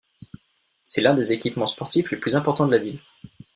C'est l'un des équipements sportifs les plus importants de la ville.